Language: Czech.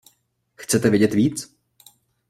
Chcete vědět víc?